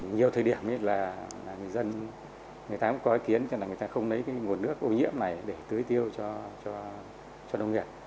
nhiều thời điểm người ta cũng có ý kiến là người ta không lấy nguồn nước ô nhiễm này để tưới tiêu cho nông nghiệp